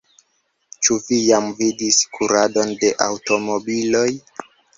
Ĉu vi jam vidis kuradon de aŭtomobiloj?